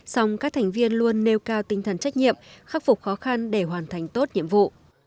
song các thành viên luôn nêu cao tinh thần trách nhiệm khắc phục khó khăn để hoàn thành tốt nhiệm vụ